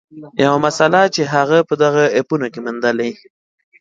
یوه مسله چې هغې په دغو اپونو کې موندلې